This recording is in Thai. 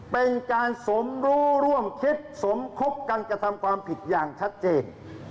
เป็นการสมรู้ร่วมคิดสมคบกันกระทำความผิดอย่างชัดเจน